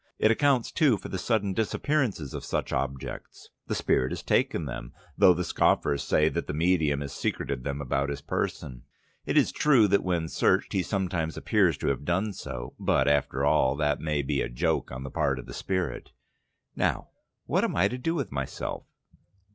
It accounts, too, for the sudden disappearances of such objects. The spirit has taken them, though the scoffers say that the medium has secreted them about his person. It is true that when searched he sometimes appears to have done so; but, after all, that may be a joke on the part of the spirit. Now, what am I to do with myself.